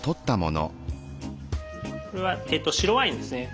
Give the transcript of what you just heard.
これは白ワインですね。